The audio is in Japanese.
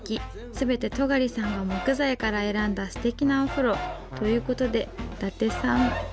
全て尖さんが木材から選んだすてきなお風呂という事で伊達さん。